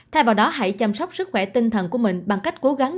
thay vào đó hãy chăm sóc sức khỏe tinh thần của mình bằng cách cố gắng